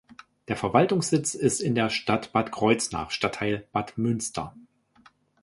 Der Verwaltungssitz ist in der Stadt Bad Kreuznach, Stadtteil Bad Münster.